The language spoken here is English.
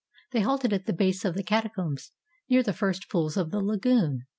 They halted at the base of the Catacombs, near the first pools of the Lagoon.